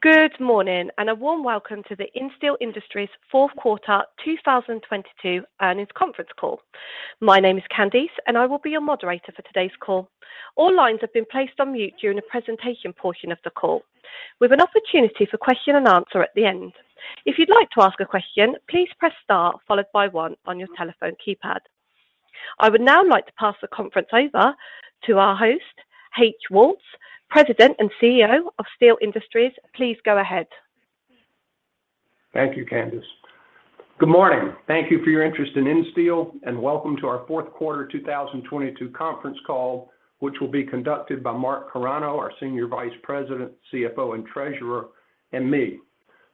Good morning, and a warm welcome to the Insteel Industries Fourth Quarter 2022 Earnings Conference Call. My name is Candice, and I will be your moderator for today's call. All lines have been placed on mute during the presentation portion of the call with an opportunity for question and answer at the end. If you'd like to ask a question, please press Star followed by One on your telephone keypad. I would now like to pass the conference over to our host, H.O. Woltz, President and CEO of Insteel Industries. Please go ahead. Thank you, Candice. Good morning. Thank you for your interest in Insteel, and welcome to our fourth quarter 2022 conference call, which will be conducted by Mark A. Carano, our Senior Vice President, CFO, and Treasurer, and me.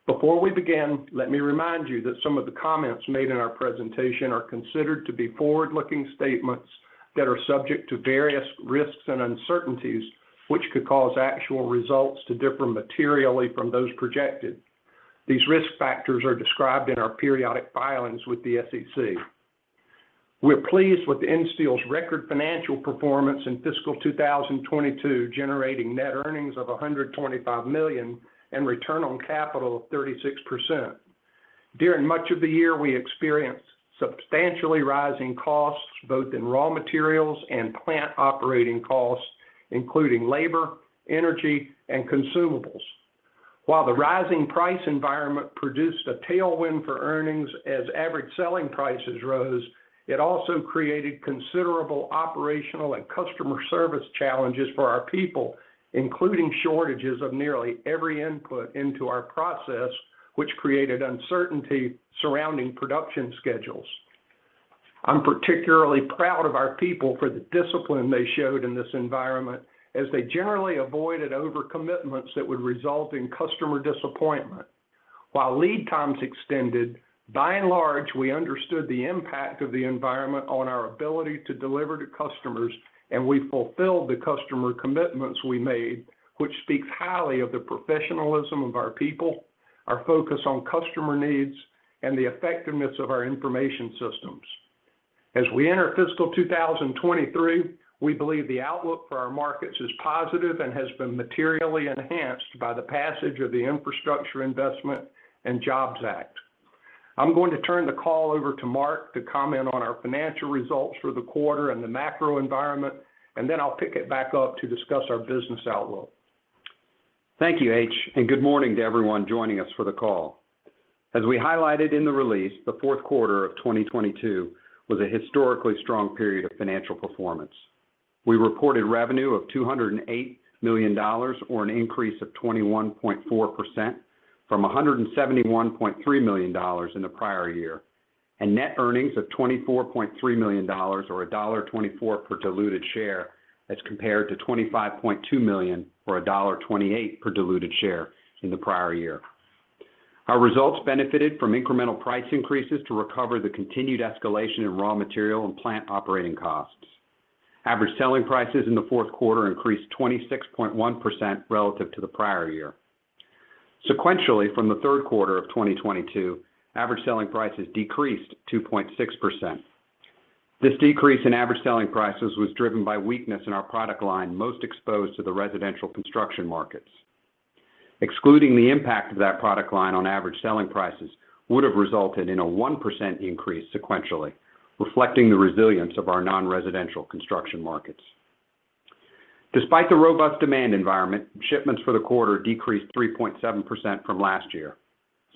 Before we begin, let me remind you that some of the comments made in our presentation are considered to be forward-looking statements that are subject to various risks and uncertainties, which could cause actual results to differ materially from those projected. These risk factors are described in our periodic filings with the SEC. We're pleased with Insteel's record financial performance in fiscal 2022, generating net earnings of $125 million and return on capital of 36%. During much of the year, we experienced substantially rising costs, both in raw materials and plant operating costs, including labor, energy, and consumables. While the rising price environment produced a tailwind for earnings as average selling prices rose, it also created considerable operational and customer service challenges for our people, including shortages of nearly every input into our process, which created uncertainty surrounding production schedules. I'm particularly proud of our people for the discipline they showed in this environment as they generally avoided over commitments that would result in customer disappointment. While lead times extended, by and large, we understood the impact of the environment on our ability to deliver to customers, and we fulfilled the customer commitments we made, which speaks highly of the professionalism of our people, our focus on customer needs, and the effectiveness of our information systems. As we enter fiscal 2023, we believe the outlook for our markets is positive and has been materially enhanced by the passage of the Infrastructure Investment and Jobs Act. I'm going to turn the call over to Mark to comment on our financial results for the quarter and the macro environment, and then I'll pick it back up to discuss our business outlook. Thank you, H. Good morning to everyone joining us for the call. As we highlighted in the release, the fourth quarter of 2022 was a historically strong period of financial performance. We reported revenue of $208 million or an increase of 21.4% from $171.3 million in the prior year, and net earnings of $24.3 million or $1.24 per diluted share as compared to $25.2 million or $1.28 per diluted share in the prior year. Our results benefited from incremental price increases to recover the continued escalation in raw material and plant operating costs. Average selling prices in the fourth quarter increased 26.1% relative to the prior year. Sequentially, from the third quarter of 2022, average selling prices decreased 2.6%. This decrease in average selling prices was driven by weakness in our product line most exposed to the residential construction markets. Excluding the impact of that product line on average selling prices would have resulted in a 1% increase sequentially, reflecting the resilience of our non-residential construction markets. Despite the robust demand environment, shipments for the quarter decreased 3.7% from last year.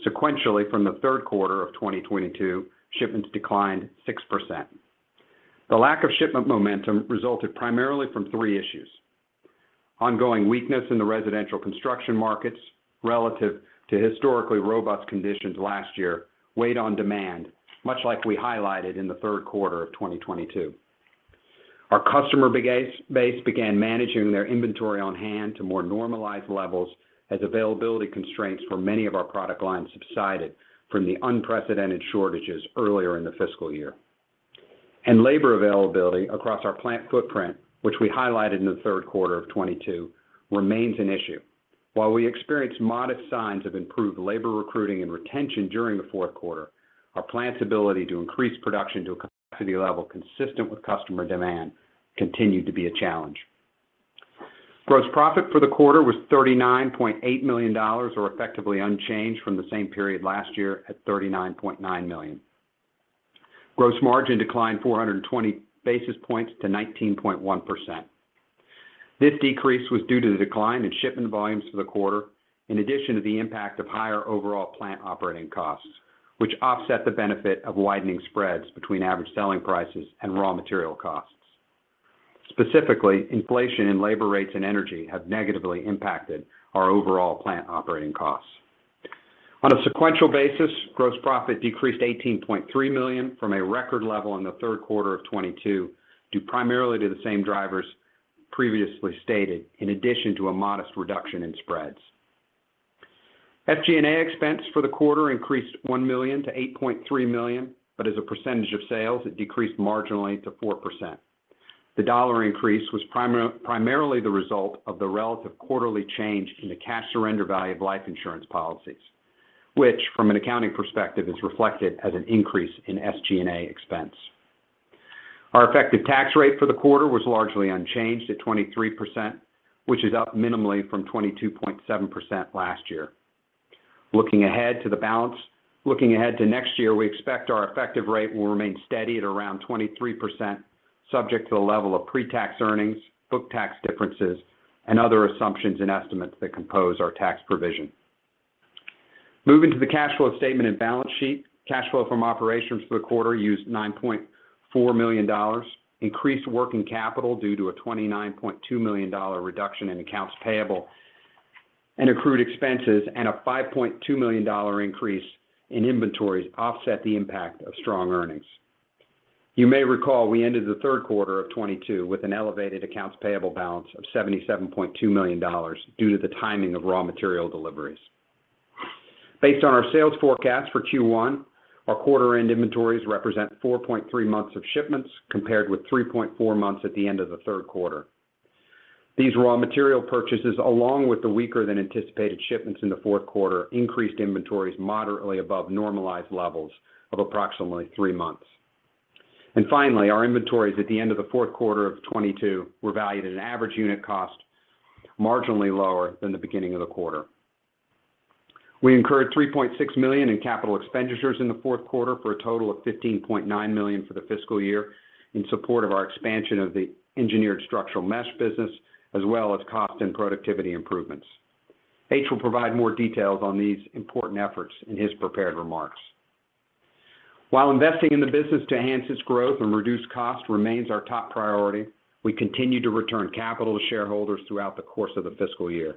Sequentially, from the third quarter of 2022, shipments declined 6%. The lack of shipment momentum resulted primarily from three issues. Ongoing weakness in the residential construction markets relative to historically robust conditions last year weighed on demand, much like we highlighted in the third quarter of 2022. Our customer base began managing their inventory on hand to more normalized levels as availability constraints for many of our product lines subsided from the unprecedented shortages earlier in the fiscal year. Labor availability across our plant footprint, which we highlighted in the third quarter of 2022, remains an issue. While we experienced modest signs of improved labor recruiting and retention during the fourth quarter, our plant's ability to increase production to a capacity level consistent with customer demand continued to be a challenge. Gross profit for the quarter was $39.8 million or effectively unchanged from the same period last year at $39.9 million. Gross margin declined 420 basis points to 19.1%. This decrease was due to the decline in shipment volumes for the quarter, in addition to the impact of higher overall plant operating costs, which offset the benefit of widening spreads between average selling prices and raw material costs. Specifically, inflation in labor rates and energy have negatively impacted our overall plant operating costs. On a sequential basis, gross profit decreased $18.3 million from a record level in the third quarter of 2022 due primarily to the same drivers previously stated in addition to a modest reduction in spreads. SG&A expense for the quarter increased $1 million to $8.3 million, but as a percentage of sales, it decreased marginally to 4%. The dollar increase was primarily the result of the relative quarterly change in the cash surrender value of life insurance policies, which from an accounting perspective, is reflected as an increase in SG&A expense. Our effective tax rate for the quarter was largely unchanged at 23%, which is up minimally from 22.7% last year. Looking ahead to next year, we expect our effective rate will remain steady at around 23% subject to the level of pretax earnings, book tax differences, and other assumptions and estimates that compose our tax provision. Moving to the cash flow statement and balance sheet. Cash flow from operations for the quarter used $9.4 million. Increased working capital due to a $29.2 million dollar reduction in accounts payable and accrued expenses, and a $5.2 million dollar increase in inventories offset the impact of strong earnings. You may recall we ended the third quarter of 2022 with an elevated accounts payable balance of $77.2 million due to the timing of raw material deliveries. Based on our sales forecast for Q1, our quarter-end inventories represent 4.3 months of shipments compared with 3.4 months at the end of the third quarter. These raw material purchases, along with the weaker than anticipated shipments in the fourth quarter, increased inventories moderately above normalized levels of approximately three months. Finally, our inventories at the end of the fourth quarter of 2022 were valued at an average unit cost marginally lower than the beginning of the quarter. We incurred $3.6 million in capital expenditures in the fourth quarter for a total of $15.9 million for the fiscal year in support of our expansion of the engineered structural mesh business, as well as cost and productivity improvements. H.O. Woltz III will provide more details on these important efforts in his prepared remarks. While investing in the business to enhance its growth and reduce cost remains our top priority, we continue to return capital to shareholders throughout the course of the fiscal year.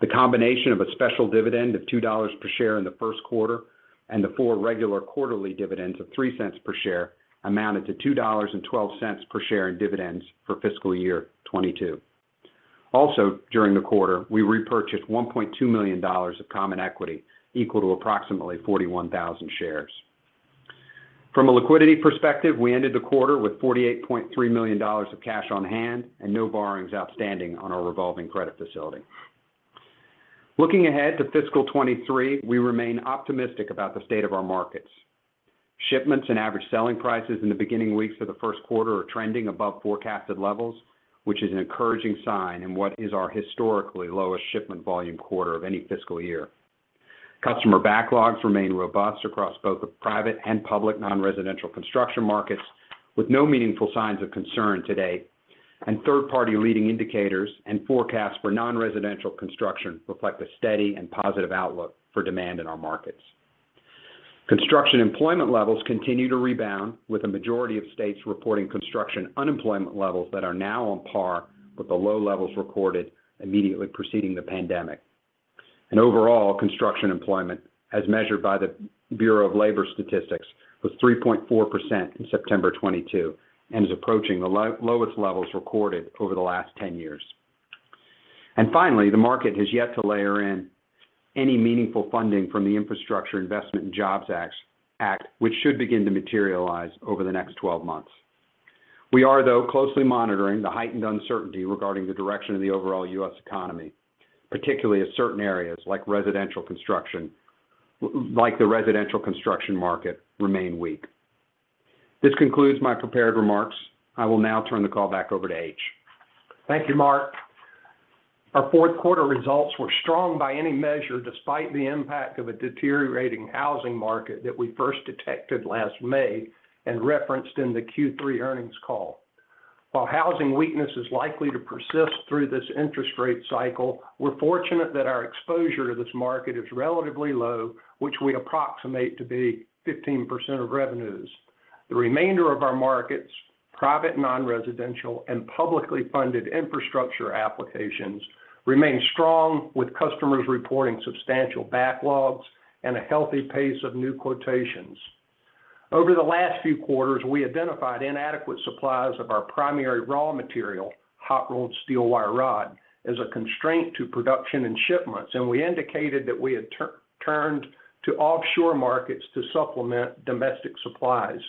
The combination of a special dividend of $2 per share in the first quarter and the four regular quarterly dividends of $0.03 per share amounted to $2.12 per share in dividends for fiscal year 2022. Also, during the quarter, we repurchased $1.2 million of common equity, equal to approximately 41,000 shares. From a liquidity perspective, we ended the quarter with $48.3 million of cash on hand and no borrowings outstanding on our revolving credit facility. Looking ahead to fiscal 2023, we remain optimistic about the state of our markets. Shipments and average selling prices in the beginning weeks of the first quarter are trending above forecasted levels, which is an encouraging sign in what is our historically lowest shipment volume quarter of any fiscal year. Customer backlogs remain robust across both the private and public non-residential construction markets, with no meaningful signs of concern today. Third-party leading indicators and forecasts for non-residential construction reflect a steady and positive outlook for demand in our markets. Construction employment levels continue to rebound, with a majority of states reporting construction unemployment levels that are now on par with the low levels recorded immediately preceding the pandemic. Overall, construction employment, as measured by the Bureau of Labor Statistics, was 3.4% in September 2022 and is approaching the lowest levels recorded over the last 10 years. Finally, the market has yet to layer in any meaningful funding from the Infrastructure Investment and Jobs Act, which should begin to materialize over the next 12 months. We are, though, closely monitoring the heightened uncertainty regarding the direction of the overall U.S. economy, particularly as certain areas like residential construction, like the residential construction market remain weak. This concludes my prepared remarks. I will now turn the call back over to H. Waltz. Thank you, Mark. Our fourth quarter results were strong by any measure, despite the impact of a deteriorating housing market that we first detected last May and referenced in the Q3 earnings call. While housing weakness is likely to persist through this interest rate cycle, we're fortunate that our exposure to this market is relatively low, which we approximate to be 15% of revenues. The remainder of our markets, private, non-residential, and publicly funded infrastructure applications remain strong, with customers reporting substantial backlogs and a healthy pace of new quotations. Over the last few quarters, we identified inadequate supplies of our primary raw material, hot-rolled steel wire rod, as a constraint to production and shipments, and we indicated that we had turned to offshore markets to supplement domestic supplies.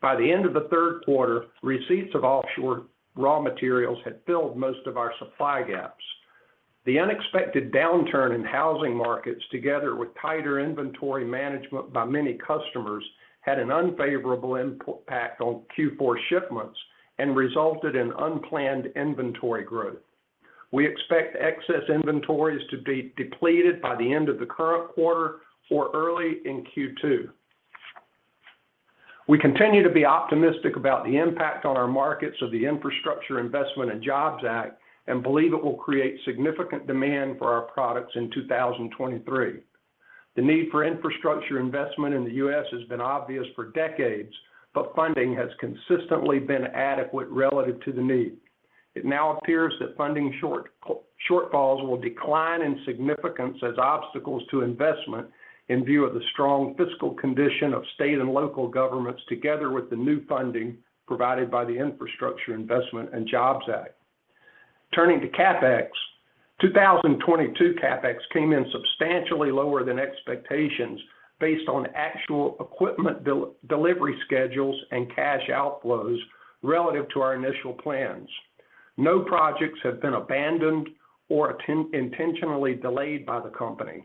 By the end of the third quarter, receipts of offshore raw materials had filled most of our supply gaps. The unexpected downturn in housing markets, together with tighter inventory management by many customers, had an unfavorable impact on Q4 shipments and resulted in unplanned inventory growth. We expect excess inventories to be depleted by the end of the current quarter or early in Q2. We continue to be optimistic about the impact on our markets of the Infrastructure Investment and Jobs Act and believe it will create significant demand for our products in 2023. The need for infrastructure investment in the U.S. has been obvious for decades, but funding has consistently been adequate relative to the need. It now appears that funding shortfalls will decline in significance as obstacles to investment in view of the strong fiscal condition of state and local governments together with the new funding provided by the Infrastructure Investment and Jobs Act. Turning to CapEx, 2022 CapEx came in substantially lower than expectations based on actual equipment delivery schedules and cash outflows relative to our initial plans. No projects have been abandoned or intentionally delayed by the company.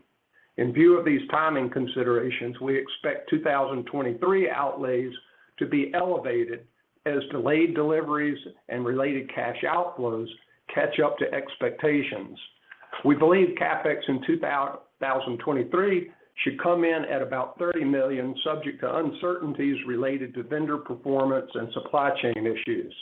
In view of these timing considerations, we expect 2023 outlays to be elevated as delayed deliveries and related cash outflows catch up to expectations. We believe CapEx in 2023 should come in at about $30 million, subject to uncertainties related to vendor performance and supply chain issues.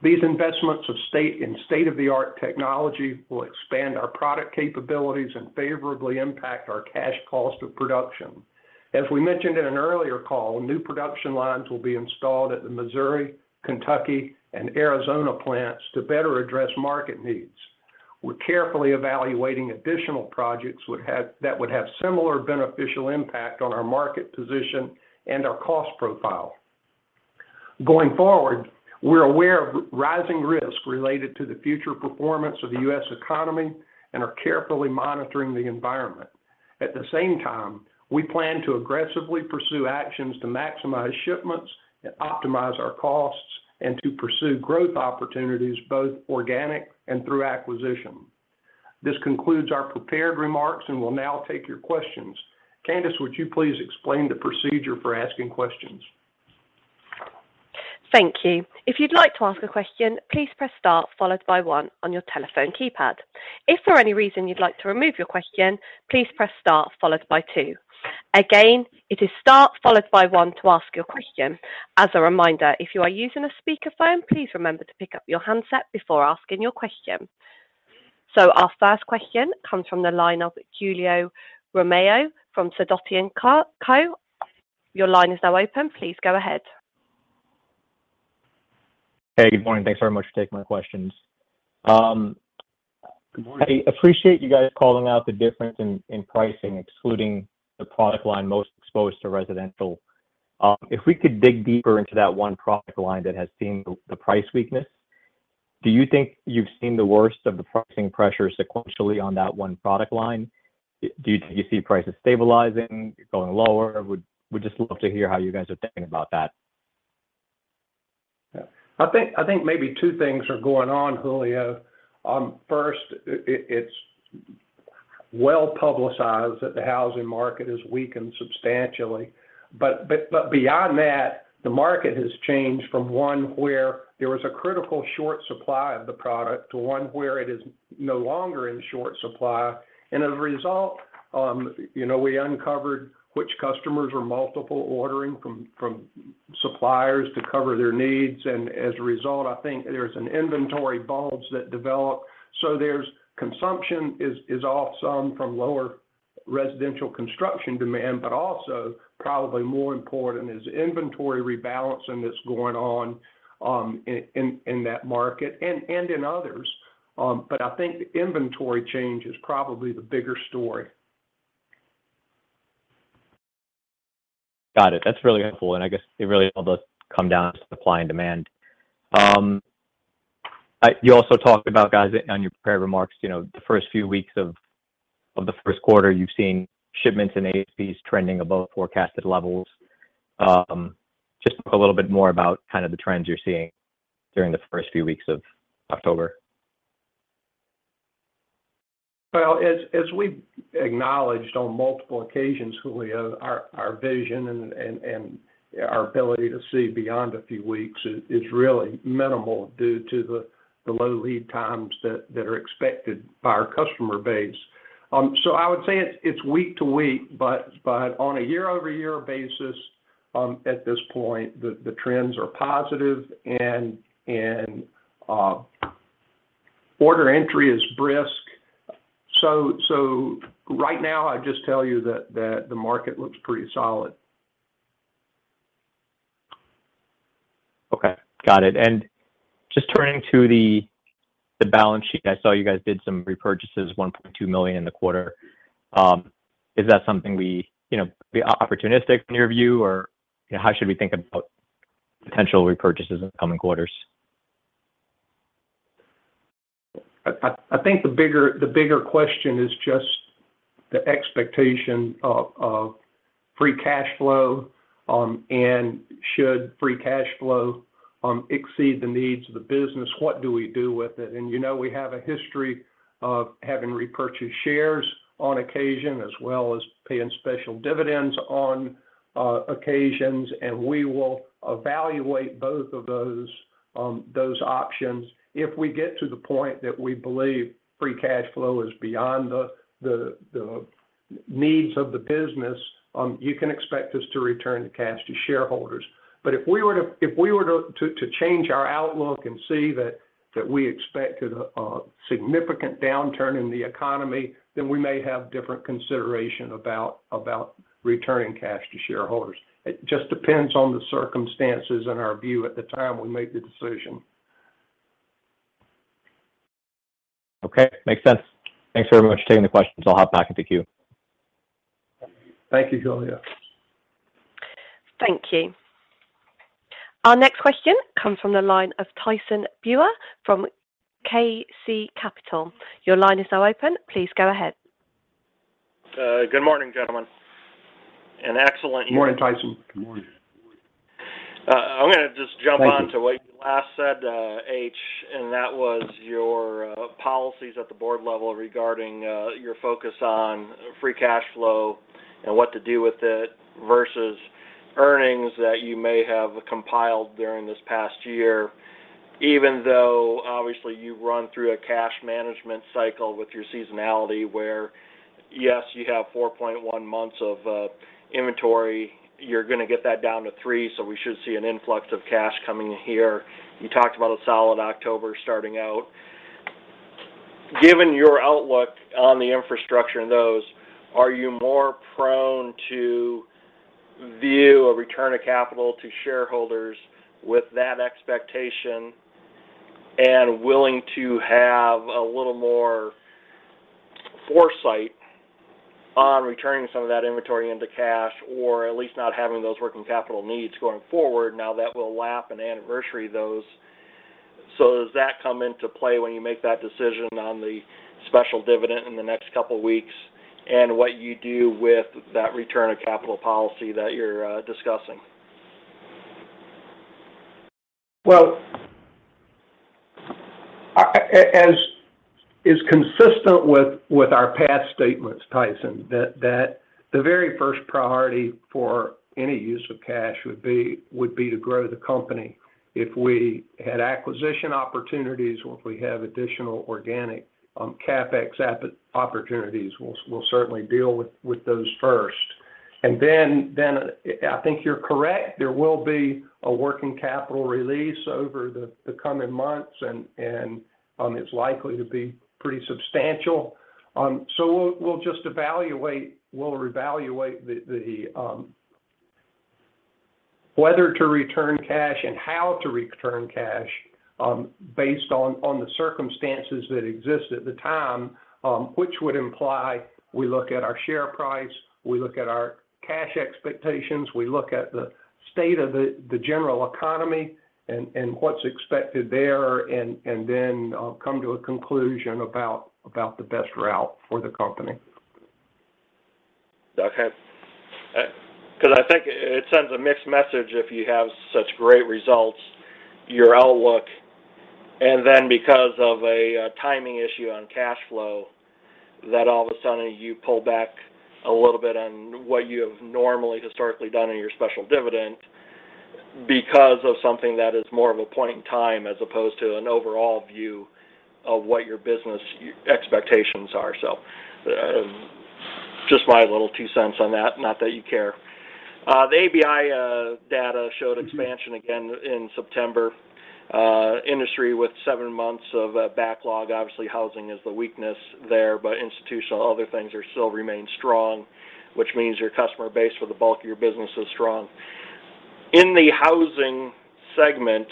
These investments in state-of-the-art technology will expand our product capabilities and favorably impact our cash cost of production. As we mentioned in an earlier call, new production lines will be installed at the Missouri, Kentucky, and Arizona plants to better address market needs. We're carefully evaluating additional projects that would have similar beneficial impact on our market position and our cost profile. Going forward, we're aware of rising risk related to the future performance of the U.S. economy and are carefully monitoring the environment. At the same time, we plan to aggressively pursue actions to maximize shipments and optimize our costs, and to pursue growth opportunities, both organic and through acquisition. This concludes our prepared remarks, and we'll now take your questions. Candice, would you please explain the procedure for asking questions? Thank you. If you'd like to ask a question, please press Star followed by One on your telephone keypad. If for any reason you'd like to remove your question, please press Star followed by Two. Again, it is Star followed by One to ask your question. As a reminder, if you are using a speakerphone, please remember to pick up your handset before asking your question. Our first question comes from the line of Julio Romero from Sidoti & Company. Your line is now open. Please go ahead. Hey, good morning. Thanks very much for taking my questions. Good morning. I appreciate you guys calling out the difference in pricing, excluding the product line most exposed to residential. If we could dig deeper into that one product line that has seen the price weakness. Do you think you've seen the worst of the pricing pressures sequentially on that one product line? Do you see prices stabilizing, going lower? Would just love to hear how you guys are thinking about that. Yeah. I think maybe two things are going on, Julio. First, it's well-publicized that the housing market has weakened substantially, but beyond that, the market has changed from one where there was a critical short supply of the product to one where it is no longer in short supply. As a result, you know, we uncovered which customers were multiple ordering from suppliers to cover their needs. As a result, I think there's an inventory bulge that developed. There's consumption is off some from lower residential construction demand, but also probably more important is inventory rebalancing that's going on in that market and in others. I think the inventory change is probably the bigger story. Got it. That's really helpful, and I guess it really all does come down to supply and demand. You also talked about, guys, on your prepared remarks, you know, the first few weeks of the first quarter, you've seen shipments and ASPs trending above forecasted levels. Just a little bit more about kind of the trends you're seeing during the first few weeks of October. Well, as we've acknowledged on multiple occasions, Julio, our vision and our ability to see beyond a few weeks is really minimal due to the low lead times that are expected by our customer base. I would say it's week to week, but on a year-over-year basis, at this point, the trends are positive and order entry is brisk. Right now I'd just tell you that the market looks pretty solid. Okay. Got it. Just turning to the balance sheet, I saw you guys did some repurchases, $1.2 million in the quarter. Is that something we, you know, be opportunistic in your view, or how should we think about potential repurchases in the coming quarters? I think the bigger question is just the expectation of free cash flow, and should free cash flow exceed the needs of the business, what do we do with it? You know we have a history of having repurchased shares on occasion as well as paying special dividends on occasions, and we will evaluate both of those options. If we get to the point that we believe free cash flow is beyond the needs of the business, you can expect us to return the cash to shareholders. If we were to change our outlook and see that we expect a significant downturn in the economy, then we may have different consideration about returning cash to shareholders. It just depends on the circumstances and our view at the time we make the decision. Okay. Makes sense. Thanks very much for taking the questions. I'll hop back in the queue. Thank you, Julio. Thank you. Our next question comes from the line of Tyson Bauer from KC Capital. Your line is now open. Please go ahead. Good morning, gentlemen, and excellent evening. Good morning, Tyson. Good morning. I'm gonna just jump on- Thank you. to what you last said, H., and that was your policies at the board level regarding your focus on free cash flow and what to do with it versus earnings that you may have compiled during this past year. Even though obviously you run through a cash management cycle with your seasonality, where, yes, you have 4.1 months of inventory, you're gonna get that down to three, so we should see an influx of cash coming in here. You talked about a solid October starting out. Given your outlook on the infrastructure and those, are you more prone to view a return of capital to shareholders with that expectation and willing to have a little more foresight on returning some of that inventory into cash, or at least not having those working capital needs going forward now that we'll lap the anniversary those? Does that come into play when you make that decision on the special dividend in the next couple weeks and what you do with that return of capital policy that you're discussing? Well, as is consistent with our past statements, Tyson, that the very first priority for any use of cash would be to grow the company. If we had acquisition opportunities, or if we have additional organic CapEx opportunities, we'll certainly deal with those first. I think you're correct. There will be a working capital release over the coming months, and it's likely to be pretty substantial. We'll just evaluate, we'll reevaluate the. Whether to return cash and how to return cash, based on the circumstances that exist at the time, which would imply we look at our share price, we look at our cash expectations, we look at the state of the general economy and what's expected there, and then come to a conclusion about the best route for the company. Okay. 'Cause I think it sends a mixed message if you have such great results, your outlook, and then because of a timing issue on cash flow, that all of a sudden you pull back a little bit on what you have normally historically done in your special dividend because of something that is more of a point in time as opposed to an overall view of what your business expectations are. Just my little two cents on that, not that you care. The ABI data showed expansion again in September. Industry with seven months of backlog. Obviously, housing is the weakness there, but institutional and other things are still remain strong, which means your customer base for the bulk of your business is strong. In the housing segment,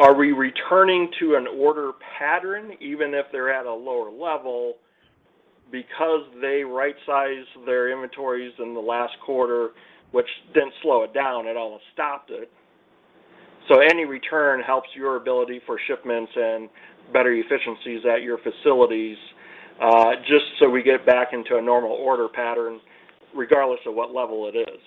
are we returning to an order pattern, even if they're at a lower level because they right-sized their inventories in the last quarter, which didn't slow it down, it almost stopped it. Any return helps your ability for shipments and better efficiencies at your facilities, just so we get back into a normal order pattern regardless of what level it is.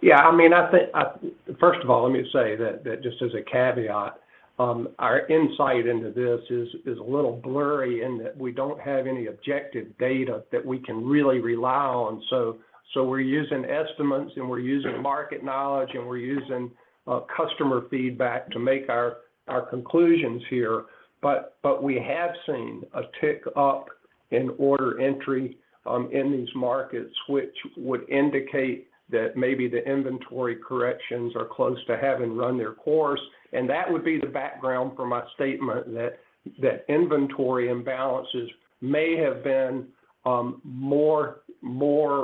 Yeah, I mean, I think, first of all, let me say that just as a caveat, our insight into this is a little blurry in that we don't have any objective data that we can really rely on. We're using estimates, and we're using market knowledge, and we're using customer feedback to make our conclusions here. We have seen a tick up in order entry in these markets, which would indicate that maybe the inventory corrections are close to having run their course. That would be the background for my statement that inventory imbalances may have been more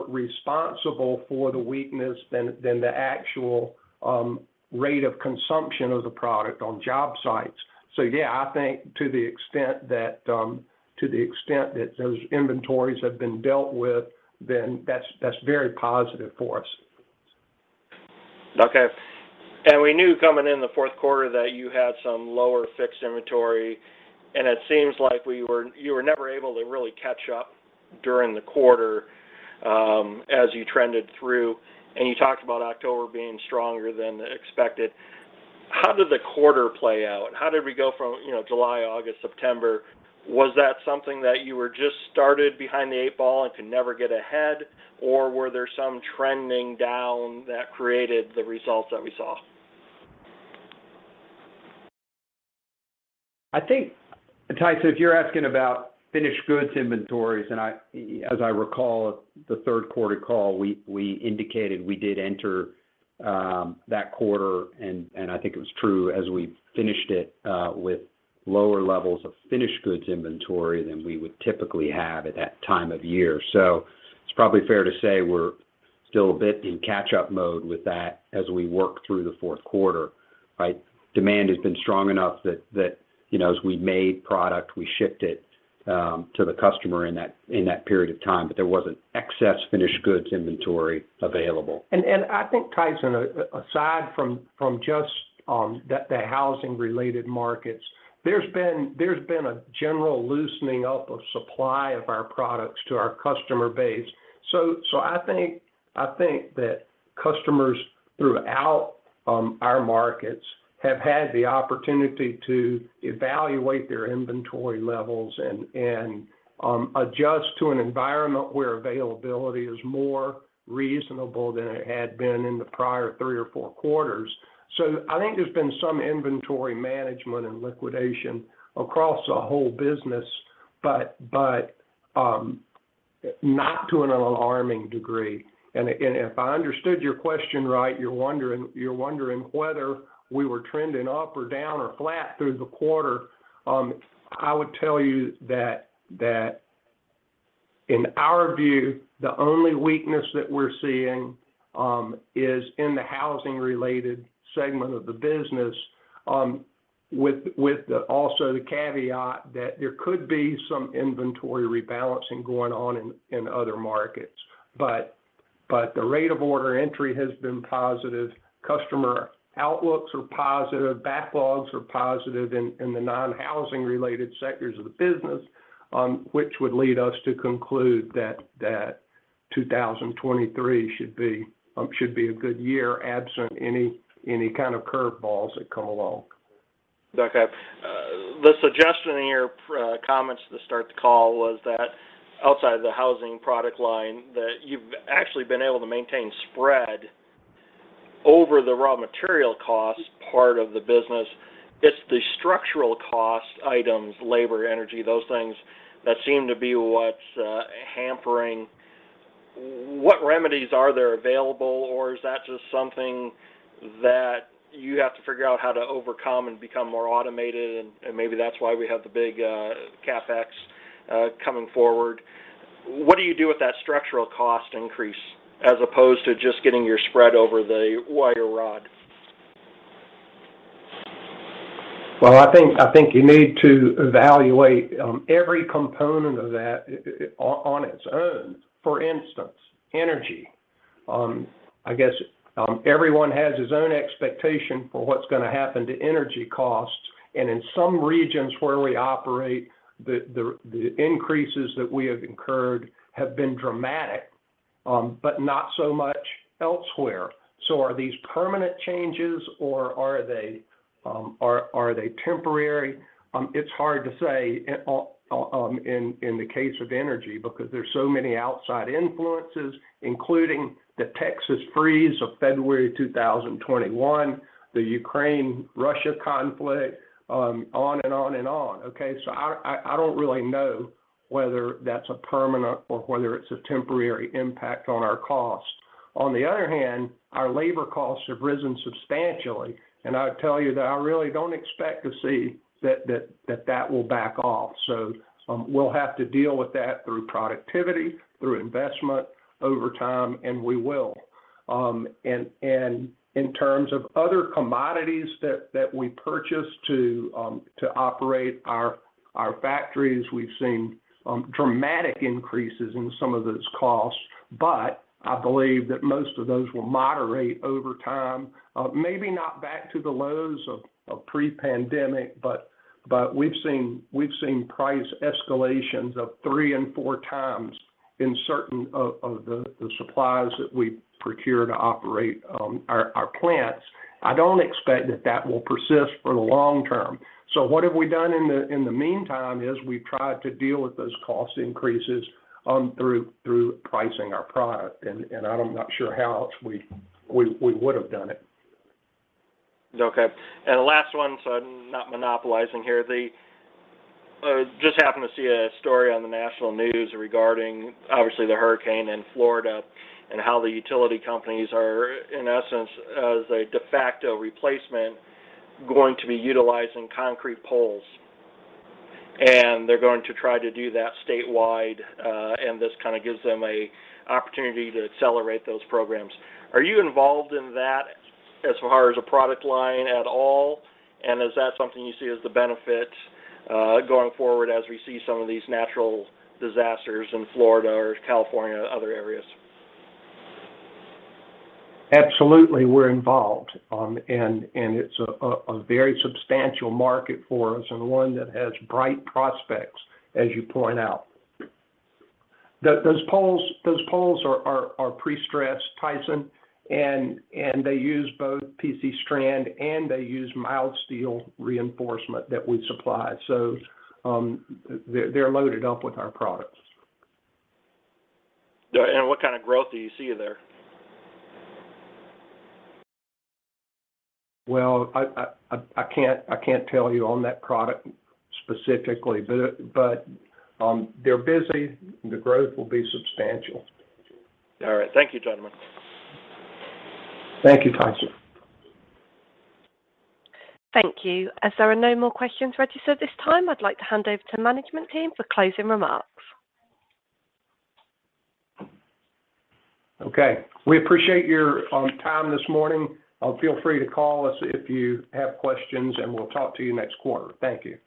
responsible for the weakness than the actual rate of consumption of the product on job sites. Yeah, I think to the extent that those inventories have been dealt with, then that's very positive for us. Okay. We knew coming in the fourth quarter that you had some lower fixed inventory, and it seems like you were never able to really catch up during the quarter, as you trended through. You talked about October being stronger than expected. How did the quarter play out? How did we go from, you know, July, August, September? Was that something that you were just started behind the eight ball and could never get ahead? Or were there some trending down that created the results that we saw? I think, Tyson, if you're asking about finished goods inventories, and as I recall the third quarter call, we indicated we did enter that quarter, and I think it was true as we finished it with lower levels of finished goods inventory than we would typically have at that time of year. It's probably fair to say we're still a bit in catch-up mode with that as we work through the fourth quarter. Right? Demand has been strong enough that, you know, as we made product, we shipped it. To the customer in that period of time, but there wasn't excess finished goods inventory available. I think, Tyson, aside from just the housing-related markets, there's been a general loosening up of supply of our products to our customer base. I think that customers throughout our markets have had the opportunity to evaluate their inventory levels and adjust to an environment where availability is more reasonable than it had been in the prior three or four quarters. I think there's been some inventory management and liquidation across the whole business, but not to an alarming degree. If I understood your question right, you're wondering whether we were trending up or down or flat through the quarter. I would tell you that in our view, the only weakness that we're seeing is in the housing related segment of the business, with also the caveat that there could be some inventory rebalancing going on in other markets. The rate of order entry has been positive. Customer outlooks are positive. Backlogs are positive in the non-housing related sectors of the business, which would lead us to conclude that 2023 should be a good year, absent any kind of curve balls that come along. Okay. The suggestion in your comments to start the call was that outside of the housing product line, that you've actually been able to maintain spread over the raw material costs part of the business. It's the structural cost items, labor, energy, those things that seem to be what's hampering. What remedies are there available, or is that just something that you have to figure out how to overcome and become more automated, and maybe that's why we have the big CapEx coming forward? What do you do with that structural cost increase as opposed to just getting your spread over the wire rod? Well, I think you need to evaluate every component of that on its own. For instance, energy. I guess everyone has his own expectation for what's gonna happen to energy costs. In some regions where we operate, the increases that we have incurred have been dramatic, but not so much elsewhere. Are these permanent changes or are they temporary? It's hard to say in the case of energy because there's so many outside influences, including the Texas freeze of February 2021, the Ukraine-Russia conflict, on and on and on, okay? I don't really know whether that's a permanent or whether it's a temporary impact on our costs. On the other hand, our labor costs have risen substantially, and I'll tell you that I really don't expect to see that will back off. We'll have to deal with that through productivity, through investment over time, and we will. In terms of other commodities that we purchase to operate our factories, we've seen dramatic increases in some of those costs. I believe that most of those will moderate over time, maybe not back to the lows of pre-pandemic, but we've seen price escalations of three and four times in certain of the supplies that we procure to operate our plants. I don't expect that will persist for the long term. What have we done in the meantime is we've tried to deal with those cost increases through pricing our product, and I'm not sure how else we would have done it. Okay. The last one, so I'm not monopolizing here. I just happened to see a story on the national news regarding obviously the hurricane in Florida and how the utility companies are, in essence, as a de facto replacement, going to be utilizing concrete poles. They're going to try to do that statewide, and this kinda gives them a opportunity to accelerate those programs. Are you involved in that as far as a product line at all? Is that something you see as the benefit going forward as we see some of these natural disasters in Florida or California, other areas? Absolutely, we're involved. It's a very substantial market for us and one that has bright prospects, as you point out. Those poles are prestressed, Tyson, and they use both PC strand and mild steel reinforcement that we supply. They're loaded up with our products. What kind of growth do you see there? Well, I can't tell you on that product specifically, but they're busy. The growth will be substantial. All right. Thank you, gentlemen. Thank you, Tyson. Thank you. As there are no more questions registered at this time, I'd like to hand over to management team for closing remarks. Okay. We appreciate your time this morning. Feel free to call us if you have questions, and we'll talk to you next quarter. Thank you.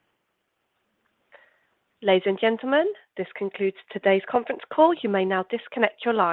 Ladies and gentlemen, this concludes today's conference call. You may now disconnect your lines.